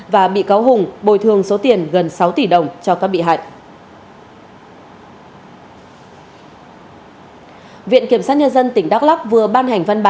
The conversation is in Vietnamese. và bị cáo hùng bồi thường số tiền gần sáu tỷ đồng cho các bị hại